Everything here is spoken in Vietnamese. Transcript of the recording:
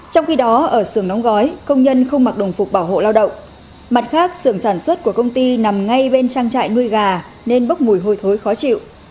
trong khi đó ở sườn đóng gói công nhân không mặc đồng phục bảo hộ lao động mặt khác xưởng sản xuất của công ty nằm ngay bên trang trại nuôi gà nên bốc mùi hôi thối khó chịu